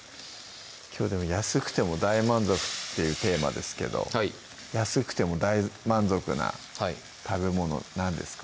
きょう「安くても大満足！」っていうテーマですけど安くても大満足な食べ物何ですか？